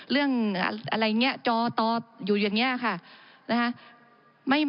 เรื่องอะไรอย่างนี้จอตออยู่อย่างนี้ค่ะ